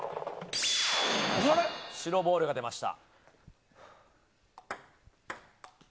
白ボールが出ました。